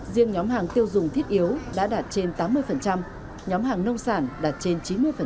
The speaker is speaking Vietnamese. riêng nhóm hàng tiêu dùng thiết yếu đã đạt trên tám mươi nhóm hàng nông sản đạt trên chín mươi